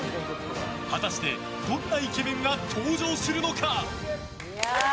果たしてどんなイケメンが登場するのか？